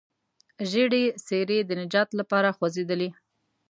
ژېړې څېرې د نجات لپاره خوځېدلې.